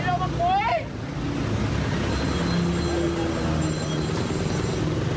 บอกให้เรากลับคุย